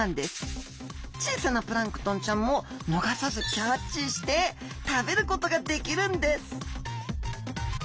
小さなプランクトンちゃんも逃さずキャッチして食べることができるんです！